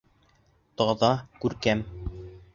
Таҙа, күркәм.